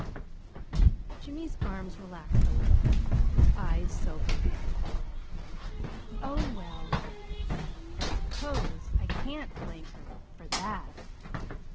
Jimmy's arms relaxed a little. His eyes sobered. "Oh, well, I suppose I can't blame her for that.